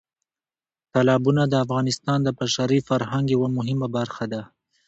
تالابونه د افغانستان د بشري فرهنګ یوه مهمه برخه ده.